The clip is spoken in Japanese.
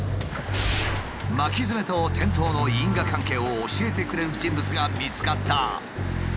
巻きヅメと転倒の因果関係を教えてくれる人物が見つかった。